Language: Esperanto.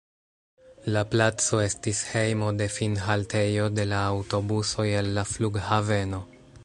La placo estis hejmo de finhaltejo de la aŭtobusoj el la flughaveno.